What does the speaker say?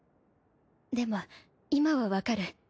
でも今はわかる。